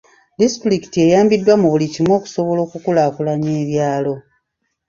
Disitulikiti eyambiddwa mu buli kimu okusobola okukulaakulanya ebyalo.